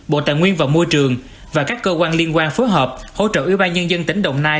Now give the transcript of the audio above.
bộ tài nguyên và môi trường và các cơ quan liên quan phối hợp hỗ trợ ủy ban nhân dân tỉnh đồng nai